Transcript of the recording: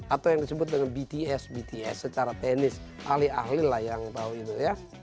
atau yang disebut dengan bts bts secara teknis ahli ahli lah yang tahu itu ya